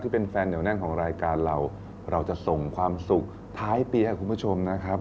เพื่อนเวลาพี่เป็นแฟนแหน่งของรายการเราเราจะส่งความสุขท้ายปีให้คุณผู้ชมนะครับ